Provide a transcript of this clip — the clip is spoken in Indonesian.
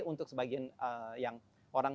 untuk sebagian yang orang